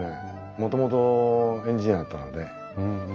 もともとエンジニアだったので。